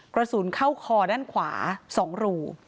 กระสุนเข้าคอด้านขวา๒รู